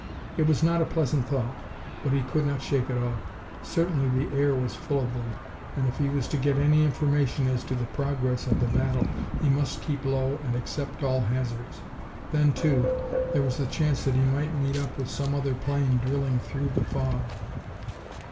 It was not a pleasant thought, but he could not shake it off. Certainly the air was full of them, and if he was to get any information as to the progress of the battle he must keep low and accept all hazards. Then too, there was the chance that he might meet up with some other plane drilling through the fog.